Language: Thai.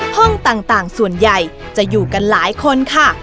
ห้องต่างส่วนใหญ่จะอยู่กันหลายคนค่ะ